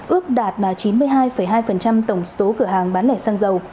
ước đạt là chín mươi hai hai tổng số cửa hàng bán lẻ xăng dầu